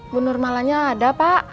bu nur malahnya ada pak